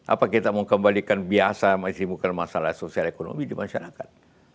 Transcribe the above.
apa kita mau kembalikan biasa masih bukan masalah sosial ekonomi di masyarakat